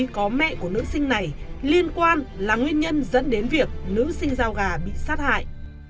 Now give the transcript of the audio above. có mẹ của nữ sinh này liên quan là nguyên nhân dẫn đến việc nữ sinh giao gà bị sát hại